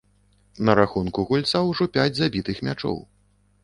На рахунку гульца ўжо пяць забітых мячоў.